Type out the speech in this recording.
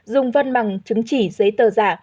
dùng văn bằng chứng chỉ giấy tờ giả